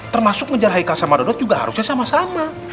termasuk mengejar haikal sama dodot juga harusnya sama sama